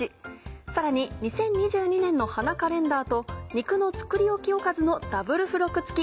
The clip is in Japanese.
さらに２０２２年の花カレンダーと肉の作りおきおかずのダブル付録付き。